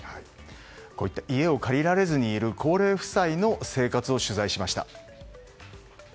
こういった家を借りられずにいる高齢夫婦の生活を取材しました。